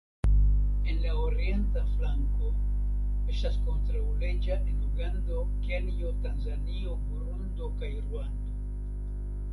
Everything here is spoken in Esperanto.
En la orienta flanko estas kontraŭleĝa en Ugando, Kenjo, Tanzanio, Burundo kaj Ruando.